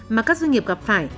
mà các doanh nghiệp gặp phải